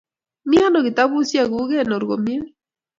Miano kitapusyek kuk? Konor komnye